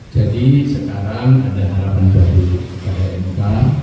jadi sekarang ada harapan dari mk